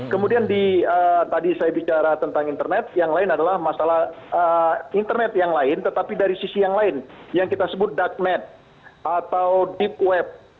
kemudian tadi saya bicara tentang internet yang lain adalah masalah internet yang lain tetapi dari sisi yang lain yang kita sebut dagnet atau deep web